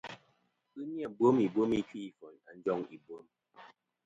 Ghɨ ni-a bwem ibwem i kfi'foyn a njoŋ ìbwem.